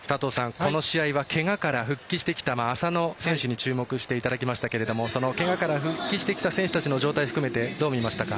この試合はけがから復帰してきた浅野選手に注目していただいていますがけがか復帰してきた選手たちの状態、含めてどうご覧になりましたか？